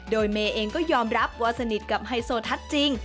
โดยเมย์เองก็ยอมรับว่าสนิทกับไฮโซทัศน์จริง